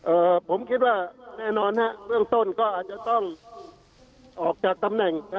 ผมคิดว่าแน่นอนฮะเบื้องต้นก็อาจจะต้องออกจากตำแหน่ง